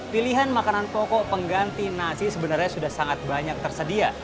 pilihan makanan pokok pengganti nasi sebenarnya sudah sangat banyak tersedia